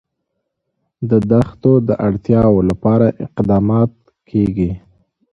د دښتو د اړتیاوو لپاره اقدامات کېږي.